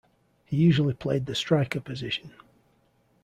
He usually played the striker position.